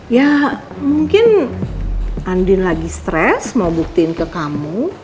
ya mungkin andin lagi stres mau buktiin ke kamu